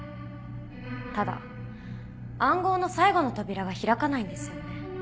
ただ暗号の最後の扉が開かないんですよね。